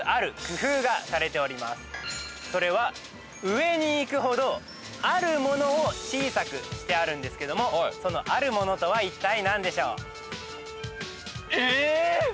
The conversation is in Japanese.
それは上に行くほどあるものを小さくしてあるんですけどもそのあるものとはいったい何でしょう？えっ！？